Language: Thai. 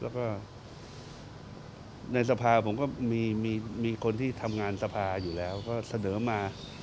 แล้วก็ในสภาผมก็มีคนที่ทำงานสภาอยู่แล้วก็เสนอมา